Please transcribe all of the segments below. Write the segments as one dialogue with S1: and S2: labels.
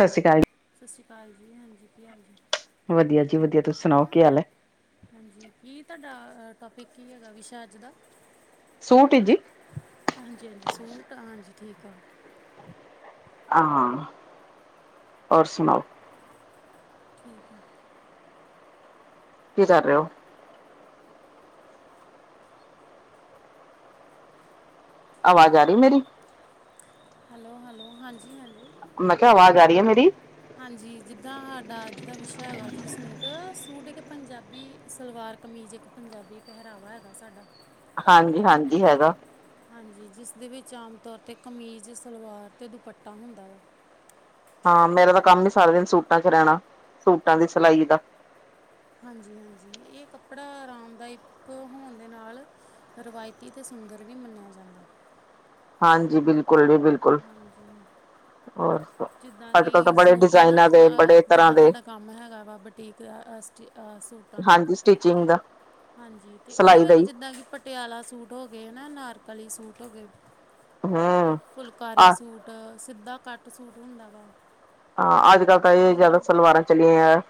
S1: ਸਤਿ ਸ਼੍ਰੀ ਅਕਾਲ
S2: ਸਤਿ ਸ਼੍ਰੀ ਅਕਾਲ ਜੀ ਹਾਂਜੀ ਕੀ ਹਾਲ ਜੇ
S1: ਵਧੀਆ ਜੀ ਵਧੀਆ ਤੁਸੀ ਸੁਣਾਓ ਕੀ ਹਾਲ ਏ?
S2: ਆ ਟੋਪਿਕ ਕੀ ਹੈਗਾ ਵਿਸ਼ਾ ਅੱਜ ਦਾ।
S1: ਸੂਟ ਜੀ
S2: ਹਾਂਜੀ ਹਾਂਜੀ, ਸੂਟ ਹਾਂਜੀ ਠੀਕ ਆ।
S1: ਹਾਂ, ਹੋਰ ਸੁਣਾਓ?
S2: ਠੀਕ ਆ।
S1: ਕੀ ਕਰ ਰਹੇ ਹੋ? ਆਵਾਜ਼ ਆ ਰਹੀ ਮੇਰੀ?
S2: ਹੈਲੋ, ਹੈਲੋ, ਹਾਂਜੀ, ਹਾਂਜੀ।
S1: ਮੈਂ ਕਿਹਾ ਆਵਾਜ਼ ਆ ਰਹੀ ਹੈ ਮੇਰੀ?
S2: ਹਾਂਜੀ ਜਿੱਦਾਂ ਸਾਡਾ ਅੱਜ ਦਾ ਵਿਸ਼ਾ ਹੈਗਾ ਸੂਟ, ਸੂਟ ਇੱਕ ਪੰਜਾਬੀ ਸਲਵਾਰ ਕਮੀਜ਼ ਇੱਕ ਪੰਜਾਬੀ ਪਹਿਰਾਵਾ ਹੈਗਾ ਸਾਡਾ।
S1: ਹਾਂਜੀ, ਹਾਂਜੀ ਹੈਗਾ।
S2: ਹਾਂਜੀ, ਜਿਸ ਦੇ ਵਿੱਚ ਆਮ ਤੌਰ 'ਤੇ ਕਮੀਜ਼ ਸਲਵਾਰ 'ਤੇ ਦੁਪੱਟਾ ਹੁੰਦਾ ਵਾ।
S1: ਹਾਂ, ਮੇਰਾ ਤਾਂ ਕੰਮ ਹੀ ਸਾਰੇ ਦਿਨ ਸੂਟਾਂ ਚ ਰਹਿਣਾ ਸੂਟਾਂ ਦੀ ਸਿਲਾਈ ਦਾ।
S2: ਹਾਂਜੀ, ਹਾਂਜੀ ਇਹ ਕੱਪੜਾ ਆਰਾਮਦਾਇਕ ਹੋਣ ਦੇ ਨਾਲ ਰਵਾਇਤੀ ਤੇ ਸ [unintelligible] ਵੀ ਮੰਨਿਆ ਜਾਂਦਾ।
S1: ਹਾਂਜੀ, ਬਿਲਕੁਲ ਜੀ, ਬਿਲਕੁਲ। ਹੋਰ
S2: ਜਿੱਦਾ
S1: ਅੱਜ
S2: ਕਿ
S1: ਕੱਲ ਤਾਂ ਬੜੇ
S2: ਸੂਟ ਨਾ
S1: ਡਿਜ਼ਾਇਨਾਂ ਦੇ ਬੜੇ
S2: ਅ
S1: ਤਰ੍ਹਾਂ
S2: ਜਿੱਦਾ
S1: ਦੇ
S2: ਤੁਹਾਡਾ ਕੰਮ ਹੈਗਾ ਵਾ ਬਟੀਕ ਦਾ ਫਸਟ ਅ ਸੂਟਾਂ ਦਾ।
S1: ਹਾਂਜੀ ਸਟਿਚਿੰਗ ਦਾ
S2: ਹਾਂਜੀ, ਤੇ ਔਦੇ
S1: ਸਿਲਾਈ ਦਾ
S2: ਵਿੱਚ
S1: ਹੀ
S2: ਜਿੱਦਾਂ ਕਿ ਪਟਿਆਲਾ ਸੂਟ ਹੋ ਗਏ ਨਾ, ਅਨਾਰਕਲੀ ਸੂਟ ਹੋ ਗਏ।
S1: ਹਮ
S2: ਫੁਲਕਾਰੀ
S1: ਆ
S2: ਸੂਟ ਸਿੱਧਾ ਕੱਟ ਸੂਟ ਹੁੰਦਾ ਵਾ।
S1: ਹਾਂ, ਅੱਜ ਕੱਲ੍ਹ ਤਾਂ ਇਹ
S2: ਹਨਾ
S1: ਜ਼ਿਆਦਾ
S2: ਜੀ
S1: ਸਲਵਾਰਾਂ ਚੱਲੀਆਂ ਆਂ,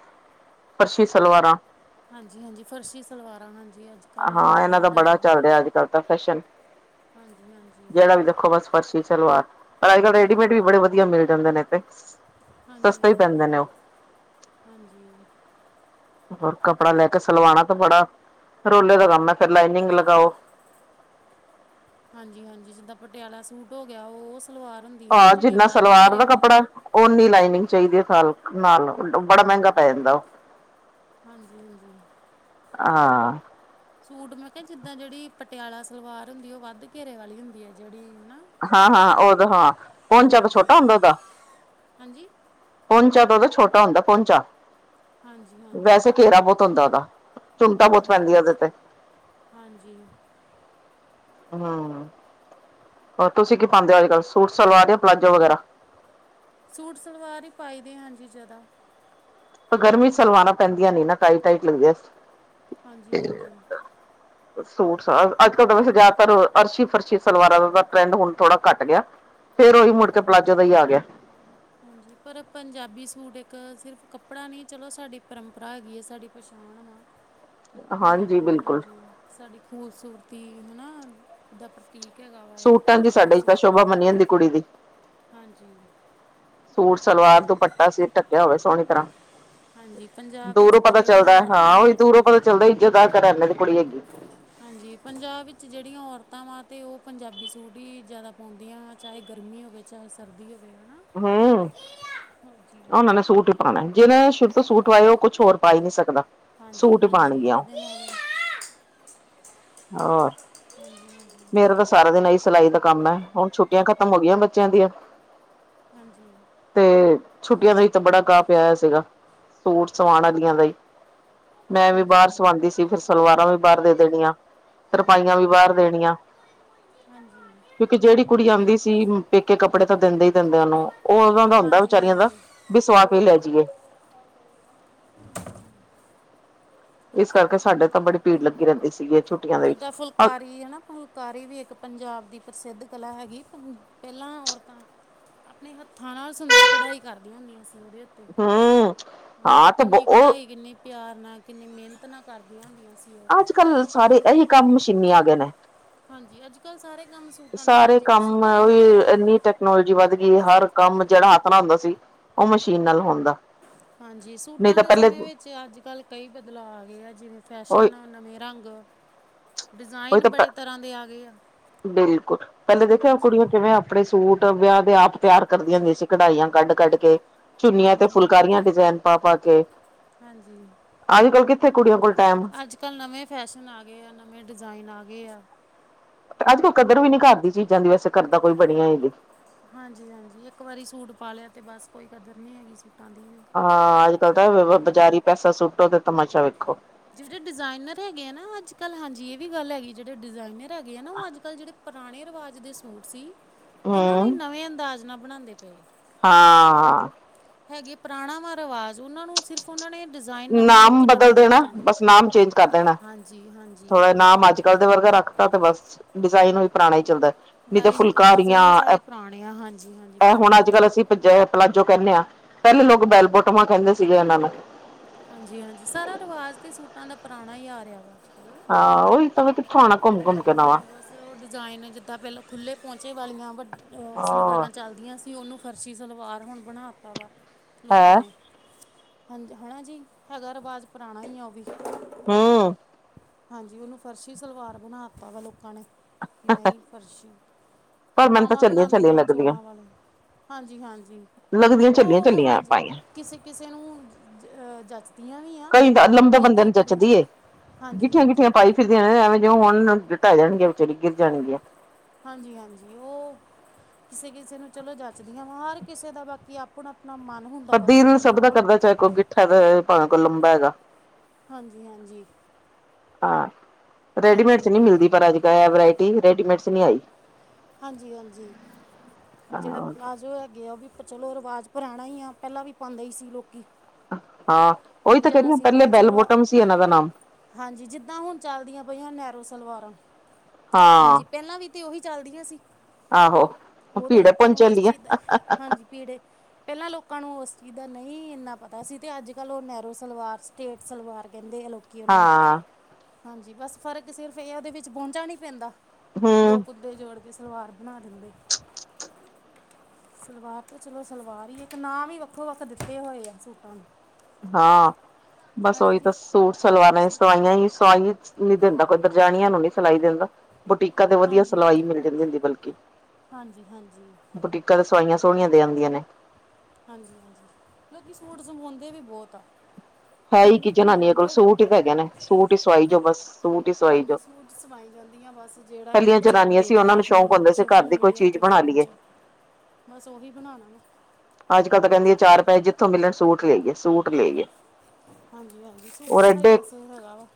S1: ਫਰਸ਼ੀ ਸਲਵਾਰਾਂ।
S2: ਹਾਂਜੀ, ਹਾਂਜੀ ਫਰਸ਼ੀ ਸਲਵਾਰਾਂ, ਹਾਂਜੀ। ਅੱਜ ਕੱਲ੍ਹ ਨਵਾਂ
S1: ਹਾਂ, ਇਹਨਾਂ ਦਾ
S2: ਟਰੈਂਡ
S1: ਬੜਾ
S2: ਆਇਆ ਵਾ
S1: ਚੱਲ ਰਿਹਾ ਅੱਜ ਕੱਲ੍ਹ ਤਾਂ ਫੈਸ਼ਨ।
S2: ਹਾਂਜੀ ਹਾਂਜੀ
S1: ਜਿਹੜਾ ਵੀ ਦੇਖੋ ਬਸ ਫਰਸ਼ੀ ਵਾਰ। ਪਰ ਅੱਜ ਕੱਲ ਰੈਡੀਮੇਡ
S2: ਹਾਂਜੀ
S1: ਵੀ ਬੜੇ ਵਧੀਆ ਮਿਲ ਜਾਂਦੇ ਨੇ ਤੇ।
S2: ਹਾਂਜੀ,
S1: ਸਸਤੇ ਹੀ
S2: ਹਾਂਜੀ,
S1: ਪੈਂਦੇ ਨੇ ਉਹ
S2: ਹਾਂਜੀ।
S1: ਹੋਰ, ਕੱਪੜਾ ਲੈ ਕੇ ਸਲਵਾਨਾ ਤਾਂ ਬੜਾ ਰੋਲੇ ਦਾ ਕੰਮ ਏ ਫੇਰ ਲਾਈਨਿੰਗ ਲਗਾਔ।
S2: ਹਾਂਜੀ, ਹਾਂਜੀ ਜਿੱਦਾਂ ਪਟਿਆਲਾ ਸੂਟ ਹੋ ਗਿਆ। ਔ ਓਸ
S1: ਆਹ ਜਿੰਨਾ ਸਲਵਾਰ ਦਾ ਕੱਪੜਾ, ਔਨੀ ਲੈਨਿੰਗ ਨਈ ਚਾਹੀਦੀ ਸਲਕ ਨਾਲ ਬੜਾ ਮਹਿੰਗਾ ਪੈ ਜਾਂਦਾ। ਉਹ
S2: ਹਾਂਜੀ, ਹਾਂਜੀ
S1: ਹਾਂ
S2: ਸੂਟ ਮੈਂ ਕਿਹਾ ਜਿੱਦਾਂ ਜਿਹੜੀ ਪਟਿਆਲਾ ਸਲਵਾਰ ਹੁੰਦੀ ਏ। ਉਹ ਵੱਧ ਘੇਰੇ ਵਾਲੀ ਹੁੰਦੀ ਹੈ। ਜਿਹੜੀ ਹਨਾ
S1: ਹਾਂ, ਹਾਂ ਉਹਦਾ ਹਾਂ ਪਹੁੰਚਾ
S2: ਹਾਂਜੀ
S1: ਛੋਟਾ ਹੁੰਦਾ ਉਹਦਾ।
S2: ਹਾਂਜੀ
S1: ਪੌਂਚਾਂ ਉਹਦਾ ਦਾ ਛੋਟਾ ਹੁੰਦਾ ਪਹੁੰਚਾ।
S2: ਹਾਂਜੀ ਹਾਂਜੀ
S1: ਵੈਸੇ ਘੇਰਾ ਬਹੁਤ ਹੁੰਦਾ ਉਹਦਾ ਚੁੰਣਤਾ ਬਹੁਤ
S2: ਹਾਂਜੀ
S1: ਪੈਂਦੀਆਂ। ਉਹਦੇ ਤੇ
S2: ਹਾਂਜੀ
S1: ਹੂੰ ਹੋ ਤੁਸੀਂ ਕੀ ਪਾਉਂਦੇ ਹੋ? ਅੱਜ ਕੱਲ੍ਹ ਸੂਟ ਸਲਵਾਰ ਜਾਂ ਪਲਾਜ਼ੋ ਵਗੈਰਾ।
S2: ਸੂਟ ਸਲਵਾਰ ਹੀ ਪਾਈ ਦੇ। ਹਾਂਜੀ ਜਿਆਦਾ
S1: ਪਰ ਗਰਮੀ ਚ ਸਲਵਾਰਾਂ ਪੈਂਦੀਆਂ ਨਈ ਨਾ ਟਾਈਟ ਟਾਈਟ ਲੱਗਦੀਆਂ ਜੇ।
S2: ਹਾਂਜੀ ਹਾਂਜੀ
S1: ਸੂਟ ਸਾਟ ਅੱਜ ਕਲ ਤਾਂ ਵੈਸੇ ਜ਼ਿਆਦਾਤਰ ਅਰਸ਼ੀ- ਫਰਸ਼ੀ ਸਲਵਾਰਾਂ ਦਾ ਟਰੈਂਡ ਹੁਣ ਥੋੜਾ ਘੱਟ ਗਿਆ। ਫੇਿਰ ਉਹੀ
S2: ਹਾਂ
S1: ਮੁੜਕੇ ਪਲਾਜੋ ਦਾ ਹੀ ਆ ਗਿਆ।
S2: ਹਾਂਜੀ। ਪਰ ਪੰਜਾਬੀ ਸੂਟ ਇੱਕ ਸਿਰਫ ਕੱਪੜਾ ਨਹੀਂ। ਚਲੋ ਸਾਡੀ ਪਰੰਪਰਾ ਹੈਗੀ ਹੈ। ਸਾਡੀ ਪਛਾਣ- ਆਣਾਮ [unintelligible] [unintelligible]
S1: ਹਾਂਜੀ
S2: ਪੰਜਾਬੀ
S1: ਬਿਲਕੁਲ।
S2: ਹਾਂਜੀ, ਸਾਡੀ ਖੂਬਸੂਰਤੀ ਹਨਾ ਦਾ ਪ੍ਰ
S1: ਸੂਟਾਂ 'ਚ ਸਾਡੇ ਇੰਚ ਤਾਂ ਸ਼ੋਭਾ ਮੰਨੀ ਜਾਂਦੀ ਕੁੜੀ ਦੀ।
S2: ਹਾਂਜੀ।
S1: ਸੂਟ ਸਲਵਾਰ ਦੁਪੱਟਾ ਸਿਰ ਢੱਕਿਆ ਹੋਵੇ। ਸੋਹਣੀ ਤਰ੍ਹਾਂ
S2: ਹਾਂਜੀ ਪੰਜਾਬ ਵਿੱਚ
S1: ਦੂਰੋਂ
S2: ਤਾਂ
S1: ਪਤਾ
S2: ਜਿਹੜੀਆਂ
S1: ਚੱਲਦਾ
S2: ਔਰਤਾਂ
S1: ਹਾਂ। ਉਹੀ
S2: ਵਾ
S1: ਦੂਰੋਂ ਪਤਾ ਚੱਲਦਾ, ਇੱਜਤਦਾਰ ਘਰਾਂ ਦੀ ਵੀ ਕੁੜੀ ਹੈਗੀ ਏ।
S2: ਹਾਂਜੀ। ਪੰਜਾਬ ਵਿੱਚ ਜਿਹੜੀਆਂ ਔਰਤਾਂ ਵਾ 'ਤੇ ਉਹ ਪੰਜਾਬੀ ਸੂਟ ਹੀ ਜ਼ਿਆਦਾ ਪਾਉਂਦੀਆਂ ਹਾਂ। ਚਾਹੇ ਗਰਮੀ ਹੋਵੇ, ਚਾਹੇ ਸਰਦੀ ਹੋਵੇ। ਹਨਾ
S1: ਹੂੰ,
S2: ਹਾਂਜੀ
S1: ਉਹਨਾਂ ਨੇ ਸੂਟ ਹੀ ਪਾਉਣੇ। ਜਿੰਨੇ ਸ਼ੁਰੂ ਤੋਂ ਸੂਟ ਪਾਏ ਹੋ। ਉਹ ਕੁਛ ਹੋਰ ਪਾ ਹੀ ਨੀ ਸਕਦਾ।
S2: ਹਾਂਜੀ
S1: ਸੂਟ ਹੀ
S2: ਹਾਂਜੀ
S1: ਪਾਉਣਗੀਆਂ ਉਹ
S2: ਇਹਦੇ ਨਾਲ
S1: ਹੋਰ
S2: ਹਾਂਜੀ
S1: ਮੇਰਾ ਤਾਂ ਸਾਰਾ ਦਿਨ ਇ ਸਿਲਾਈ ਦਾ ਕਮ ਹੈ। ਹੁਣ ਛੁੱਟੀਆਂ ਖਤਮ ਹੋ ਗਈਆਂ ਬੱਚਿਆਂ ਦੀਆਂ
S2: ਹਾਂਜੀ
S1: ਤੇ ਛੁੱਟੀਆਂ ਦਾ ਹੀ ਤਾਂ ਬੜਾ ਗਾਹ ਪਿਆ ਹੋਇਆ ਸੀ ਗਾ ਸੂਟ ਸਵਾਨ ਵਾਲੀਆਂ ਦਾ ਹੀ
S2: ਹਾਂਜੀ
S1: ਮੈਂ ਵੀ ਬਾਹਰ
S2: ਹਾਂਜੀ
S1: ਸਵਾਉਦੀ ਸੀ ਫਿਰ ਸਲਵਾਰਾਂ ਵੀ ਬਾਹਰ ਦੇ ਦੇਣੀਆਂ ਤਰਪਾਈਆਂ ਵੀ ਬਾਹਰ ਦੇਣੀਆਂ
S2: ਹਾਂਜੀ ਹਾਂਜੀ
S1: ਕਿਉਕਿ ਜਿਹੜੀ ਕੁੜੀ ਆਉਂਦੀ ਸੀ ਪੇਕੇ ਕਪੜੇ ਤਾਂ ਦਿੰਦੇ ਦਿੰਦਿਆਂ ਨੂੰ ਉਹ ਉਹ ਦਾ ਹੁੰਦਾ
S2: ਹਾਂਜੀ
S1: ਵਿਚਾਰੀਆਂ ਦਾ
S2: ਹਾਂਜੀ
S1: ਵੀ ਸੁਵਾਹ ਕੇ ਲੈ ਜਾਈਏ
S2: [unintelligible]
S1: ਇਸ ਕਰਕੇ ਸਾਡੇ ਤਾਂ ਬੜੀ ਭੀੜ ਲਗੀ ਰਹਿਦੀ ਸੀ ਗੀ
S2: ਜਿਦਾਂ ਫੁਲਕਾਰੀ ਹਨਾ ਫੁਲਕਾਰੀ ਵੀ ਇਕ ਪੰਜਾਬ ਦੀ ਪ੍ਰਸਿਧ ਕਲਾ ਹੈਗੀ ਪਹਿਲਾਂ ਔਰਤਾ ਆਪਣੇ ਹੱਥਾਂ ਨਾਲ ਸੁੰਦਰ ਕਢਾਈ ਕਰਦੀਆਂ ਹੁੰਦੀਆਂ ਸੀ ਉਹਦੇ ਉਤੇ
S1: ਹਮ ਹਾਂ ਤੇ
S2: ਕਿਨੀ
S1: ਉਹ
S2: ਕਢਾਈ ਕਿਨੀ ਪਿਆਰ ਨਾਲ ਕਿਨੀ ਮਿਹਨਤ ਨਾ ਕਰਦੀਆਂ ਹੁੰਦੀਆਂ ਸੀ ਉਹ
S1: ਅਜ ਕਲ ਸਾਰੇ ਇਹੀ ਕਮ ਮਸ਼ੀਨੀ ਆ ਗਏ ਨੇ
S2: ਹਾਂਜੀ ਅੱਜ ਕਲ ਸਾਰੇ ਕੰਮ ਸੂਟਾਂ ਦੇ
S1: ਸਾਰੇ
S2: ਹਾਂਜੀ
S1: ਕੰਮ
S2: ਮਸ਼ੀਨੀ ਹੋ
S1: ਹੀ
S2: ਗਏ ਆ
S1: ਇਨੀ ਟੈਕਨੋਲੋਜੀ ਵੱਧ ਗਈ ਹਰ ਕੰਮ ਜਿਹੜਾ ਹੁੰਦਾ ਸੀ ਉਹ ਮਸ਼ੀਨ ਨਾਲ ਹੁੰਦਾ
S2: ਹਾਂਜੀ
S1: ਨਹੀਂ
S2: ਸੂਟਾ
S1: ਤਾਂ
S2: ਦੇ
S1: ਪਹਿਲੇ
S2: ਸਮੇ ਵਿਚ ਅਜ ਕਲ ਕਈ ਬਦਲਾਅ ਆ ਗਏ ਆ ਜਿਵੇ
S1: ਉਹੀ
S2: ਫੈਸ਼ਨ ਨਵੇ ਰੰਗ-
S1: ਉਹੀ
S2: ਡਿਜ਼ਾਇਨ
S1: ਤਾਂ
S2: ਬੜੇ ਤਰ੍ਹਾਂ ਦੇ ਆ ਗਏ ਆ
S1: ਬਿਲਕੁਲ ਪਹਿਲੇ ਦੇਖਿਆ
S2: ਹਾਂਜੀ
S1: ਕੁੜੀਆਂ ਕਿਵੇ ਆਪਣੇ ਸੂਟ ਵਿਆਹ ਦੇ ਆਪ ਤਿਆਰ ਕਰਦੀਆਂ ਹੁੰਦੀ ਸੀ ਕਢਾਈਆਂ ਕੱਢ- ਕੱਢ ਕੇ ਚੁੰਨੀਆਂ ਤੇ
S2: ਹਾਂਜੀ
S1: ਫੁਲਕਾਰੀਆਂ ਡਿਜਾਇਨ ਪਾ- ਪਾ ਕੇ
S2: ਹਾਂਜੀ-
S1: ਅੱਜ ਕੱਲ੍ਹ ਕਿੱਥੇ ਕੁੜੀਆਂ ਕੋਲ- ਟਾਈਮ
S2: ਅਜ ਕਲ ਨਵੇ ਫੈਸ਼ਨ ਆ ਗਏ ਆ ਨਵੇ ਡਿਜ਼ਾਇਨ ਆ ਗਏ ਆ
S1: ਅਜ ਕਲ ਕਦਰਰ ਵੀ ਨਹੀ ਕਰਦੀ ਚੀਜ਼ਾਂ ਦੀ ਵੈਸੇ ਕਰਦਾ ਕੋਈ ਬਣੇਹੋ ਦੀ
S2: ਹਾਂਜੀ- ਹਾਂਜੀ ਇਕ ਵਾਰੀ ਸੂਟ ਪਾ ਲਿਆ ਤੇ ਬਸ ਕੋਈ ਕਦਰ ਨਹੀ ਹੈਗੀ ਸੀ
S1: ਹਾਂ ਅੱਜ ਕੱਲ ਤਾਂ ਬਜ਼ਾਰੀ ਪੈਸਾ ਸੁਟੋ ਤੇ ਤਮਾਸ਼ਾ ਵੇਖੋ
S2: ਜਿਹੜੇ ਡਿਜ਼ਾਇਨਰ ਹੈਗੇ ਆ ਨਾ ਅਜ ਕਲ ਹਾਂਜੀ ਇਹ ਵੀ ਗੱਲ ਹੈਗੀ ਜਿਹੜੇ ਡਿਜ਼ਾਇਨਰ ਹੈਗੇ ਆ ਨਾ ਉਹ ਅਜ ਕਲ ਜਿਹੜੇ ਪੁਰਾਣੇ ਰਿਵਾਜ਼ ਦੇ ਸੂਟ ਸੀ ਉਹਨਾ ਨੂੰ ਹੀ
S1: ਹਮ
S2: ਨਵੇਂ ਅੰਦਾਜ਼ ਨਾਲ ਬਣਾਉਂਦੇ ਪਏ ਆ
S1: ਹਾਂ
S2: ਹੈਗੇ ਪੁਰਾਣਾ ਵਾ ਰਿਵਾਜ਼ ਉਹਨਾਂ ਨੂੰ ਸਿਰਫ ਉਹਨਾ ਨੇ ਡਿਜ਼ਾਇਨ ਨਵਾਂ
S1: ਨਾਮ
S2: ਲੁੱਕ
S1: ਬਦਲ
S2: ਨਵੀਂ
S1: ਦੇਣਾ
S2: ਦਿੱਤੀ।
S1: ਬਸ ਨਾਮ ਚੇਂਜ ਕਰ ਦੇਣਾ
S2: ਹਾਂਜੀ ਹਾਂਜੀ
S1: ਥੋੜਾ ਨਾਮ ਅਜ ਕਲ ਦੇ ਵਰਗਾ ਰਖ ਤੇ ਬਸ ਡਿਜ਼ਾਇਨ ਵੀ ਪੁਰਾਣਾ ਹੀ ਚਲਦਾ
S2: ਡਿਜ਼ਾਇਨ ਸਾਰੇ ਪੁਰਾਣੇ ਆ ਹਾਂਜੀ- ਹਾਂਜੀ
S1: ਇਹ ਹੁਣ
S2: ਬਿਲਕੁਲ
S1: ਅੱਜ ਕੱਲ ਅਸੀਂ ਪਜ ਪਲਾਜੋ ਕਹਿਦੇ ਆ ਪਹਿਲੇ ਲੋਕ ਬੈਲ ਬੋਟਮਾਂ ਕਹਿਦੇ ਸੀਗੇ ਇਹਨਾ ਨੂੰ
S2: ਹਾਂਜੀ ਹੁਣ ਇਹੀ ਆ ਰਿਹਾ ਬਸ
S1: ਹਾਂ ਉਹੀ ਤਾਂ ਮ
S2: ਹਾਂ ਬਸ ਉਹ ਡਿਜ਼ਾਇਨ ਜਿਦਾ ਪਹਿਲਾ ਖੁਲੇ ਪਹੁੰਚੇ ਵਾਲੀਆਂ ਵ ਉਹ
S1: ਹਾਂ
S2: ਸਲਵਾਰਾਂ ਚੱਲਦੀਆਂ ਸੀ ਉਹਨੂੰ ਫਰਸ਼ੀ ਸਲਵਾਰ ਹੁਣ ਬਣਾ ਦਿਤਾ ਵਾ ਲੋਕਾ
S1: ਹੈ
S2: ਨੇ ਹਾਂ ਹੈਨਾ ਜੀ ਹੈਗਾ ਰਿਵਾਜ਼ ਪੁਰਾਣਾ ਹੀ ਆ ਉਹ ਵੀ
S1: ਹੂ-
S2: ਹਾਂਜੀ ਉਹਨੂੰ ਫਰਸ਼ੀ ਸਲਵਾਰ ਬਣਾ ਦਿਤਾ ਲੋਕਾ ਨੇ ਕਿ ਨਹੀ ਫਰਸ਼ੀ ਤੇ
S1: ਪਰ ਮੈਨੂੰ ਤਾਂ
S2: ਬਾਹਵਾਂ
S1: ਚੱਲੀਆਂ ਚੱਲੀਆਂ
S2: ਬਣਾਉਂਦੀਆਂ
S1: ਲੱਗਦੀਆਂ
S2: ਚੋਣਾਂ ਵਾਲੇ ਹਾਂਜੀ- ਹਾਂਜੀ
S1: ਲੱਗਦੀਆਂ ਚੱਲੀਆਂ
S2: ਉਹ
S1: ਚੱਲੀਆਂ
S2: ਹਾਂਜੀ
S1: ਪਾਈਆਂ
S2: ਕਿਸੇ ਕਿਸੇ ਨੂੰਹ ਜਚਦੀ
S1: ਕਈ ਤਾਂ ਲੰਬੇ ਬੰਦੇ ਨੂੰ ਜਚਦੀ ਏ
S2: ਹਾਂਜੀ
S1: ਗਿਠੀਆਂ-
S2: ਹਾਂਜੀ
S1: ਗਿਠੀਆਂ ਪਾਈ ਫਿਰਦੀਆਂ ਐਵੇ ਹੁਣ ਟੈਜਾਣਗੀਆਂ ਵਿਚਾਰੀ ਗਿਰ ਜਾਣਗੀਆਂ
S2: ਹਾਂਜੀ ਹਾਂਜੀ ਸੀ ਕਿਸੇ ਨੂੰ ਚਲੋ ਜੱਚਦੀਆਂ ਮਾਰ ਕਿਸੇ ਦਾ ਬਾਕੀ ਆਪਣਾ ਆਪਣਾ ਮਨ ਹੁੰਦਾ ਵਾ
S1: ਕਦੀ
S2: ਕਿ
S1: ਨਹੀਂ
S2: ਕੀ
S1: ਸਭ ਦਾ
S2: ਪਾਉਣਾ
S1: ਕਰਦਾ ਚਾਹੇ ਕੋਈ ਲੰਬਾ
S2: ਹਾਂਜੀ ਹਾਂਜੀ
S1: ਰੈਡੀਮੇਟ
S2: ਹਾਂਜੀ
S1: ਚ ਨਹੀਂ ਮਿਲਦੀ ਪਰ ਅੱਜ ਗਾਇਆ ਵਰਾਇਟੀ ਰੈਡੀਮੇ
S2: ਹਾਂਜੀ ਹਾਂਜੀ ਜਿਹੜਾ ਪਲਾਜ਼ੋ ਹੈਗੇ ਆ ਉਹ ਵੀ ਸੋ ਚਲੋ ਰਿਵਾਜ਼ ਪੁਰਾਣਾ ਹੀ ਆ ਪਹਿਲਾਂ ਵੀ ਪਾਉਂਦੇ ਹੀ ਸੀ
S1: ਹਾਂ ਉਹੀ ਤਾਂ
S2: ਜ਼ਿਆਦਾ
S1: ਕਹਿਦੀ ਪਹਿਲੇ
S2: ਸਿੰਪਲ
S1: ਬੈੱਲ
S2: ਸਲਵਾਰ
S1: ਬੋਟਮ ਸੀ ਇਹਨਾਂ ਦਾ ਨਾਮ
S2: ਹਾਂਜੀ ਜਿੱਦਾਂ ਹੁਣ ਚੱਲਦੀਆਂ ਪਈਆਂ ਨੈਰੋ ਸਲਵਾਰ
S1: ਹਾਂ
S2: ਹਾਂਜੀ ਪਹਿਲਾਂ ਵੀ ਤੇ ਉਹੀ ਚੱਲਦੀਆਂ ਸੀ
S1: ਆਹੋ
S2: ਉਦੋਂ
S1: ਭੀੜ
S2: ਲੋਕਾਂ
S1: ਪਹੁੰਚ
S2: ਨੂੰ ਇਸ
S1: ਚੱਲੀ ਆ
S2: ਚੀਜ਼ ਦਾ ਕਣੋ ਉਸ ਚੀਜ਼ ਦਾ ਨਹੀਂ ਇਨਾ ਪਤਾ ਸੀ ਤੇ ਅੱਜ ਕੱਲ ਉਹ ਨੈਰੋ ਸਲਵਾਰ ਸਟੇਟ ਸਲਵਾਰ ਕੇ ਦੇਖ ਲੋਕੀ ਉਹਨਾਂ ਨੂੰ
S1: ਹਾਂ
S2: ਹਾਂਜੀ ਬਸ ਫਰਕ ਸਿਰਫ ਇਹ ਆ ਦੇ ਵਿੱਚ ਪਹੁੰਚਾ ਨਹੀਂ ਪੈਂਦਾ ਦੋ
S1: ਹੂੰ
S2: ਕੁੱਤੇ ਜੋੜ ਕੇ ਸਲਵਾਰ ਬਣਾ ਦਿੰਦੇ ਸਲਵਾਰ ਤੇ ਚਲੋ ਸਲਵਾਰ ਹੀ ਇੱਕ ਨਾਂ ਵੀ ਵੱਖੋ ਵੱਖ ਦਿੱਤੇ ਹੋਏ ਆ ਸੂਟਾਂ ਨੂੰ
S1: ਹਾਂ ਬਸ
S2: ਹੈ ਨਾ
S1: ਉਹੀ
S2: ਜੀ
S1: ਤਾਂ ਸੂਟ ਸਲਵਾਣਾ
S2: ਸੂ
S1: ਇਧਰ ਜਾਣੀਆਂ ਨੂੰ ਨਹੀਂ ਸਲਾਈ ਦਿੰਦਾ ਉਹ ਟੀਕਾ ਤੇ ਵਧੀਆ
S2: ਹਾਂਜੀ
S1: ਸਿਲਾਈ ਮਿਲ ਜਾਂਦੀ ਬਲਕਿ
S2: ਹਾਂਜੀ ਹਾਂਜੀ
S1: ਤੁਹਾਡੀਆਂ ਸੋਹਣੀਆਂ ਦੇ ਜਾਂਦੀਆਂ ਨੇ
S2: ਹਾਂਜੀ ਹਾਂਜੀ ਲੋਕੀ ਸੂਟ ਸਵੈਂਦੇ ਵੀ ਬਹੁਤ ਆ ਇਹ
S1: ਆਈ
S2: ਨਹੀਂ
S1: ਕਿ
S2: ਹੈ
S1: ਝਨਾਨੀ
S2: ਨਹੀਂ
S1: ਕੋਲ
S2: ਜਿਹੜਾ
S1: ਸੂਟ ਹੈਗੇ ਨੇ ਸੂਟ ਸਵਾਈ ਜੋ ਬਸ ਸੂਟ ਹੀ ਸ
S2: ਚਲਦੀਆਂ ਬਸ ਜਿਹੜਾ ਕੋਈ ਡਿਜ਼ਾਇਨ ਵੇਖ ਲਿਆ
S1: ਨੂੰ ਸ਼ੌਂਕ
S2: ਫੋਨ
S1: ਹੁੰਦਾ ਸੀ ਘਰ
S2: ਸੋਸ਼ਲ
S1: ਦੀ ਕੋਈ
S2: ਮੀਡੀਆ
S1: ਚੀਜ਼
S2: ਤੇ
S1: ਬਣਾ
S2: ਫੋਨ
S1: ਲਈਏ
S2: ਬਸ ਉਹੀ ਬਣਾਉਣਾ
S1: ਅੱਜਕੱਲ ਤਾਂ ਪੈਂਜੀ ਚਾਰ ਪੈਸੇ ਜਿੱਥੋਂ ਮਿਲਨ ਸੂਟ ਲੇ ਆਇਏ ਸੂਟ ਲੇ ਆਇਏ।
S2: ਹਾਂਜੀ ਹਾਂਜੀ, ਸੂਟਾਂ ਦਾ ਹੀ ਬਸ ਹੈਗਾ ਵਾ।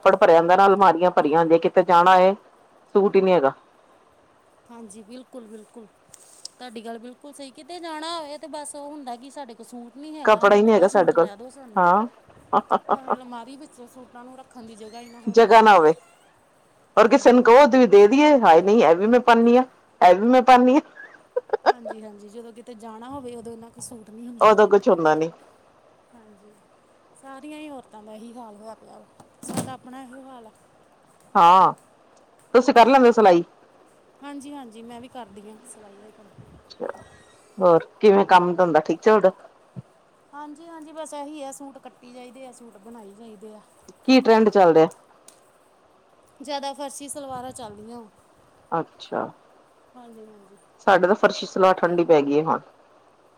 S1: ਕਡ ਭਰਿਆਂ ਹੁੰਦਾ ਨਾ ਅਲਮਾਰੀਆਂ ਭਰੀਆਂ ਦੇਕ ਕਿਤੇ ਜਾਣਾ ਹੋਏ ਸੂਟ ਹੀ ਨਹੀਂ ਹੇਗਾ।
S2: ਹਾਂਜੀ, ਬਿਲਕੁਲ ਬਿਲਕੁਲ। ਤੁਹਾਡੀ ਗੱਲ ਬਿਲਕੁਲ ਸਹੀ ਕਿਤੇ ਜਾਣਾ ਹੋਯੇ ਤੇ ਬਸ ਔ ਹੁੰਦਾ ਕਿ ਸਾਡੇ ਕੋਲ ਸੁਟ ਨਹੀਂ ਹੈਗਾ।
S1: ਕੱਪੜਾ ਹੀ ਨੀ
S2: ਨਵਾਂ
S1: ਸਾਡੇ
S2: ਸੂਟ
S1: ਕੋਲ
S2: ਲੈ ਦੋ ਸਾਨੂ।
S1: ਹਾਂ
S2: ਪਾਵੇਂ ਅਲਮਾਰੀ ਵਿੱਚ ਸੂਟਾਂ ਨੂੰ ਰੱਖਣ ਦੀ ਜਗ੍ਹਾ ਹੀ ਨਾ ਹੋਵੇ।
S1: ਜਗ੍ਹਾ ਨਾ ਹੋਵੇ ਔਰ ਕਿਸੇ
S2: ਹਾਂਜੀ
S1: ਨੁ ਕਹੋ [unintelligible] ਦੇ ਦੀਏ। ਹਾਏ ਨੀ, ਏ ਵੀ ਮੈਂ ਪਾਣੀ ਆਂ, ਏ ਵੀ ਮੈਂ ਪਾਣੀ ਆਂ।
S2: ਹਾਂਜੀ ਹਾਂਜੀ, ਜਦੋਂ ਕਿਤੇ ਜਾਣਾ ਹੋਵੇ ਔਦੋਂ ਇਹਨਾਂ ਸੂਟ ਨਹੀਂ ਹੁੰਦੇ
S1: ਉਦੋਂ ਕੁਛ ਹੁੰਦਾ ਨੀ
S2: ਸਾਰੀਆਂ ਹੀ ਔਰਤਾਂ ਦਾ ਏਹੀ ਹਾਲ ਹੋਇਆ ਪਿਆ। ਮੇਰਾ ਅਪਣਾ ਅਹਿਯੋ ਹਾਲ ਆ।
S1: ਹਾਂ, ਤੁਸੀਂ ਕਰ ਲੈਂਦੇ ਹੋ ਸਲਾਈ?
S2: ਹਾਂਜੀ ਹਾਂਜੀ, ਮੈਂ ਵੀ ਕਰਦੀ ਆਂ ਸਲਾਈ ਦਾ ਹੀ ਕੰਮ।
S1: ਹੋਰ ਕਿਵੇਂ ਕੰਮ ਤੰਦਾਂ ਠੀਕ ਚਲਦਾ।
S2: ਹਾਂਜੀ ਹਾਂਜੀ, ਬਸ ਏਹੀ ਹੈ ਸੂਟ ਕੱਟੀ ਜਾਈਦੇ ਆ ਸੂਟ ਬਣਾਈ ਜਾਈਦੇ ਆ।
S1: ਕੀ ਟਰੈਂਡ ਚੱਲ ਰਿਹਾ?
S2: ਜਿਆਦਾ ਫਰਸੀ ਸਲਵਾਰਾਂ ਚੱਲਦੀਆਂ ਵਾਂ।
S1: ਅੱਛਾ,
S2: ਹਾਂਜੀ
S1: ਸਾਡੇ ਤਾਂ ਫਰਸ਼ੀ ਸਲਵਾਰ ਠੰਡੀ ਪੈ ਗਈ ਹੁਣ।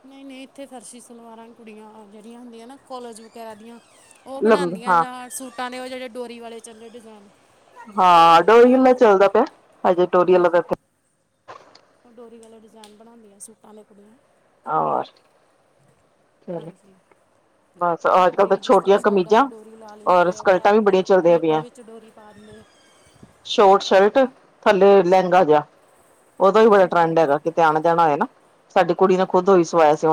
S2: ਨਹੀਂ ਨਹੀਂ ਇੱਥੇ ਖਰਸੀ ਸਲਵਾਰਾਂ ਕੁੜੀਆਂ ਜਿਹੜੀਆਂ ਹੁੰਦੀਆਂ ਨਾ ਕਾਲਜ ਉਹ
S1: ਲੰਬੇ
S2: ਬਣਾਉਂਦੀਆਂ
S1: ਹਾਂ
S2: ਯਾਰ ਸੂਟਾਂ ਨੇ ਉਹ ਜਿਹੜੇ ਡੋਰੀ ਵਾਲੇ ਚੱਲੇ
S1: ਹਾਂ ਡੋਰ ਮੈਂ ਚਲਦਾ ਪਿਆ
S2: ਢੋਰੀ ਵਾਲਾ ਡਿਜ਼ਾਇਨ ਬਣਾਉਂਦੇ ਆ ਸੂਟ
S1: ਆਰ
S2: ਹਾਂਜੀ।
S1: ਬਸ ਅੱਜ ਕੱਲ ਤਾਂ
S2: ਡੋਰੀ ਜਿਸ ਤਰ੍ਹਾਂ
S1: ਛੋਟੀਆਂ
S2: ਸਾਇਡਾ ਤੇ
S1: ਕਮੀਜ਼ਾਂ
S2: ਡੋਰੀ ਲਾ ਲੀ
S1: ਔਰ
S2: ਤੇ
S1: ਸਕਲਟਾਂ
S2: ਬੈਕ
S1: ਵੀ ਬੜੀਆਂ
S2: ਤੇ
S1: ਚੱਲਦੀਆਂ
S2: ਪਲੇਟਾਂ
S1: ਪਈਆਂ
S2: ਵਿੱਚ ਡੋਰੀ ਪਾਤੀ। [unintelligible]
S1: ਸ਼ੋਰਟ ਸ਼ਰਟ ਥੱਲੇ ਲਹਿੰਗਾ ਜਿਹਾ ਔਦਾ ਵੀ ਬੜਾ
S2: ਹਾਂਜੀ
S1: ਟਰੈਂਡ
S2: ਹਾਂਜੀ
S1: ਹੈਗਾ। ਕਿਤੇ ਆਣਾ-ਜਾਣਾ ਹੋਏ ਨਾ। ਸਾਡੀ ਕੁੜੀ ਨੇ ਖੁਦ [unintelligible] ਸੀ।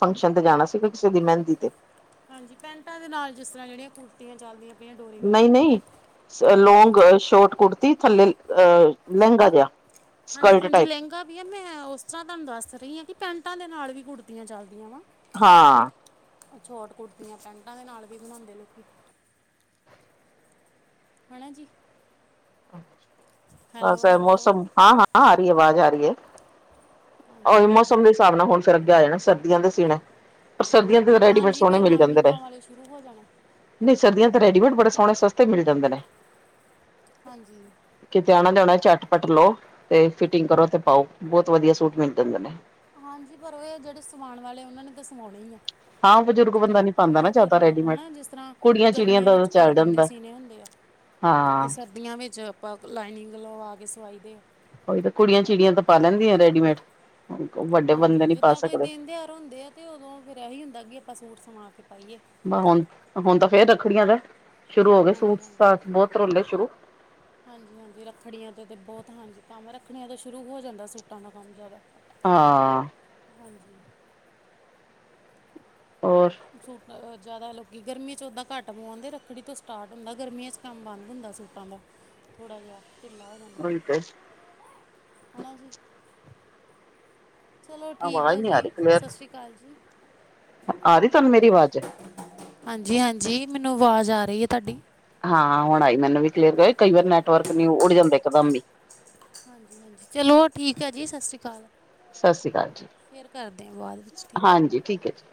S1: ਫੰਕਸ਼ਨ ਤੇ ਜਾਣਾ ਸੀ ਕਿਸੇ ਦੀ ਮਹਿੰਦੀ ਤੇ।
S2: ਹਾਂਜੀ, ਪੈਂਟਾਂ ਦੇ ਨਾਲ ਜਿਸ ਤਰ੍ਹਾਂ ਜੇੜੀਆਂ ਕੁਰਤਿਆਂ ਚੱਲਦੀਆਂ। ਪਈਆਂ ਡੋਰੀ ਵਾਲੀਆਂ
S1: ਨਹੀਂ-ਨਹੀਂ, ਸ ਲੌਗ ਅ ਸ਼ੋਰਟ ਕੁੜਤੀ ਥੱਲੇ ਅ ਲਹਿੰਗਾ ਜਿਹਾ। ਸਕਲਟ
S2: ਹਾਂਜੀ-ਹਾਂਜੀ
S1: ਟਾਈਪ
S2: ਲਹਿੰਗਾ ਵੀ ਆ। ਮੈਂ ਉਸ ਤਰ੍ਹਾਂ ਤੁਹਾਨੂੰ ਦੱਸ ਰਹੀ ਹਾਂ ਕਿ ਪੈਂਟਾਂ ਦੇ ਨਾਲ ਵੀ ਕੁੜਤੀਆਂ ਚਲਦੀਆਂ ਵਾ।
S1: ਹਾਂ।
S2: ਛੋਂਟ ਕੁੜਤੀਆਂ ਪੈਂਟਾਂ ਦੇ ਨਾਲ ਵੀ ਬਣਾਣਦੇ ਆ ਲੋਕੀਂ। ਹੈਨਾ ਜੀ।
S1: ਔਰ
S2: ਹੈਲੋ
S1: ਸਬ
S2: ਹੈਲੋ
S1: ਮੌਸਮ, ਹਾਂ-ਹਾਂ ਆ ਰਹੀ ਏ ਆਵਾਜ਼ ਆ ਰਹੀ ਏ। ਔ
S2: ਹਾਂਜੀ
S1: ਮੌਸਮ
S2: ਹਾਂਜੀ
S1: ਦੇ ਹਿਸਾਬ ਨਾ ਹੁਣ ਫਰਕ ਜਾਏਗਾ। [unintelligible] ਸੀਨੇ, ਪਰ ਸਰਦੀਆਂ 'ਚ ਤੇ ਰੈਡੀਮੇਡ
S2: ਹਾਂਜੀ
S1: ਸੋਆਨੇ
S2: ਫਿਰ
S1: ਮਿਲ ਜਾਂਦੇ ਨੇ।
S2: ਲਾਈਨਿੰਗਾਂ ਵਾਲੇ ਸ਼ੁਰੂ ਹੋ ਜਾਣੇ
S1: ਨਹੀਂ ਸਰਦੀਆਂ 'ਚ ਤੇ ਰੈਡੀਮੇਡ ਬੜੇ ਸੋਣੇ ਸਸਤੇ ਮਿਲ ਜਾਂਦੇ ਨੇ।
S2: ਹਾਂਜੀ।
S1: ਲੈਣਾ ਝੱਟ-ਪੱਟ ਲੋ, ਤੇ ਫਿਟਿੰਗ ਕਰੋ ਤੇ ਪਾਉ ਬਹੁਤ ਵਧੀਆ ਸੂਟ ਮਿਲ ਜਾਂਦੇ ਨੇ।
S2: ਹਾਂਜੀ, ਪਰ ਔ ਏ ਜਿਹੜੇ ਸਵਾਣ ਵਾਲੇ ਆ, ਔਨਾਂ ਨੇ ਤਾਂ ਸਵਾਉਣੇ ਈ ਏ।
S1: ਹਾਂ ਬਜ਼ੁਰਗ
S2: ਜਿਹੜੇ
S1: ਬੰਦਾ ਨੀ
S2: ਲੋਕੀ ਨੂੰ
S1: ਪਾਉਂਦਾ
S2: ਔ
S1: ਨਾ
S2: ਫਿਰ
S1: ਜ਼ਿਆਦਾ ਰੈਡੀਮੇਡ
S2: ਹੇਨਾ ਜਿਸ ਤਰ੍ਹਾਂ
S1: ਕੁੜੀਆਂ ਚਿੜੀਆਂ
S2: ਗਰਮੀਆਂ
S1: ਦਾ
S2: ਵਿੱਚ
S1: ਚੱਲ
S2: ਕੋਟਨ ਦੇ
S1: ਜਾਂਦਾ
S2: ਸੀਣੇ ਹੁੰਦੇ ਆ। ਤੇ
S1: ਹਾਂ
S2: ਸਰਦੀਆਂ ਵਿੱਚ ਆਪਾਂ ਕ ਲਾਈਨਿੰਗ ਲਵਾ ਕੇ ਸਵਾਈ ਦੇ ਆ
S1: ਔਹੀ ਤਾਂ, ਕੁੜੀਆਂ-ਚਿੜੀਆਂ ਤਾਂ ਪਾ ਲੈਂਦੀਆਂ ਰੈਡੀਮੇਡ। ਵੱਡੇ ਬੰਦੇ
S2: ਹਾਂਜੀ,
S1: ਨੀ ਪਾ
S2: ਜਿੱਦਾਂ ਕੋਈ
S1: ਸਕਦੇ
S2: ਦਿਨ ਤਿਉਹਾਰ ਹੁੰਦੇ ਆ ਤੇ ਉਦੋਂ ਫੇਰ ਐਹੀ ਹੁੰਦਾ ਐ ਕਿ ਆਪਾਂ ਸੂਟ ਸਵਾਂ ਕੇ ਪਾਈਏ
S1: ਬ ਹੁਣ, ਹੁਣ ਤਾਂ ਫੇਰ ਰੱਖੜੀਆਂ ਦਾ ਐ।
S2: ਹਾਂਜੀ-ਹਾਂਜੀ,
S1: ਰੋਲੇ ਸ਼ੁਰੂ
S2: ਹਾਂਜੀ-ਹਾਂਜੀ ਰੱਖੜੀਆਂ ਤੇ ਤੇ ਬਹੁਤ ਹਾਂਜੀ ਕੰਮ ਰੱਖੜੀਆਂ ਦਾ ਸ਼ੁਰੂ ਹੋ ਜਾਂਦਾ ਸੂਟਾਂ ਦਾ ਕੰਮ ਜਿਆਦਾ।
S1: ਹਾਂ।
S2: ਹਾਂਜੀ।
S1: ਹੋਰ
S2: [unintelligible] ਜਾ਼ਦਾ ਲੋਕੀ ਗਰਮੀ ਚ ਓਦਾਂ ਘਾੱਟ ਪੋਂਦੇ ਰੱਖੜੀ ਤੋ ਸਟਾਟ ਹੁੰਦਾ ਗਰਮੀਆਂ ਚ ਕੰਮ ਬਾੰਦ ਹੁੰਦਾ ਸੂਟਾਂ ਦਾ ਥੋੜਾ ਜੇਹਾ ਟੀਲਾ ਹੋ ਜਾਂਦਾ,
S1: ਉਹੀ ਤੇ
S2: ਹਨਾ ਜੀ ਚਲੋ ਠੀਕ
S1: ਆਵਾਜ਼
S2: ਆ ਜੀ, ਸਸ਼੍ਰੀ ਕਾਲ ਜੀ।
S1: ਆਰੀ ਤਾਨੰ ਮੇਰੀ‌ ਵਾਜ਼
S2: ਹਾਂਜੀ, ‌ ਹਾਂਜੀ ਮੈਨੂੰ ਵਾਜ਼ ਆ ਰਈ ਏ ਤਾਡੀ
S1: ਹਾਂ, ਹੁਣ ਆਈ ਮੈਨੂੰ ਵੀ ਕਲੀਅਰ [inaudible] ਕਈ ਵਾਰ ਨੈਟਵਰਕ ਨ‌ਈ‌ ਉੱਡ ਜਾਂਦੇ ਏਕਦਮ ਈ
S2: ਹਾਂਜੀ ਚਲੋ ਠੀਕ ਹੈ ਜੀ, ਸਸੀ ਕਾਲ
S1: ਸਤਿ ਸ੍ਰੀ ਅਕਾਲ ਜੀ
S2: ਫੇਰ ਕਰਦੇ ਆ ਵਾਲ
S1: ਹਾਂਜੀ, ਠੀਕ ਐ ਜੀ।